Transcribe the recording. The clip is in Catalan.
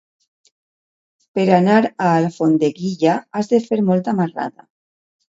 Per anar a Alfondeguilla has de fer molta marrada.